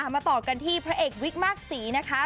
มาต่อกันที่พระเอกวิกมากศรีนะคะ